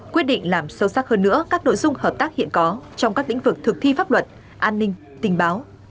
quyết định làm sâu sắc hơn nữa các nội dung hợp tác hiện có trong các lĩnh vực thực thi pháp luật an ninh tình báo